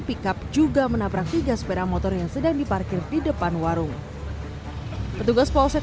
pickup juga menabrak tiga sepeda motor yang sedang diparkir di depan warung petugas polsek